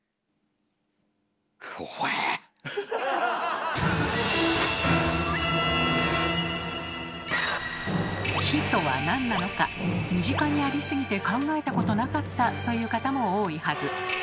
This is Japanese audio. ほぇ⁉身近にありすぎて考えたことなかったという方も多いはず。